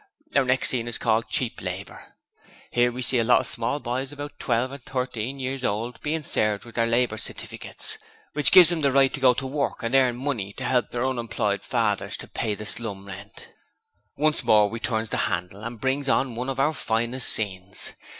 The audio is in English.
Our next scene is called "Cheap Labour". 'Ere we see a lot of small boys about twelve and thirteen years old bein' served out with their Labour Stifficats, which gives 'em the right to go to work and earn money to help their unemployed fathers to pay the slum rent. 'Once more we turns the 'andle and brings on one of our finest scenes.